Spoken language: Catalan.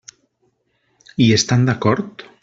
Hi estan d'acord?